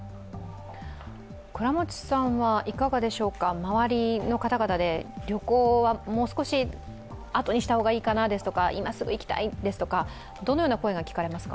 周りの方々で旅行はもう少し、あとにした方がいいかなですとか、今すぐ行きたいですとかこのような声が聞かれますか？